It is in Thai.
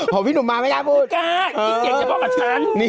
อ๋อพอพี่หนุ่มมาไม่กล้าพูดมันกล้าพี่เก่งเฉพาะกับฉันนี่